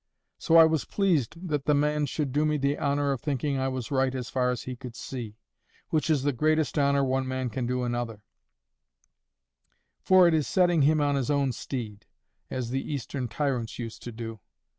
So I was pleased that the man should do me the honour of thinking I was right as far as he could see, which is the greatest honour one man can do another; for it is setting him on his own steed, as the eastern tyrants used to do.